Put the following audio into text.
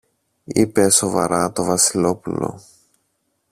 είπε σοβαρά το Βασιλόπουλο.